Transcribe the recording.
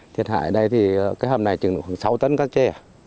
thiệt hại ở đây thì cái hầm này chừng khoảng sáu tấn cá chê